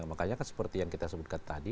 makanya kan seperti yang kita sebutkan tadi